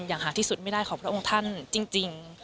อย่างหาที่สุดไม่ได้ของพระองค์ท่านจริง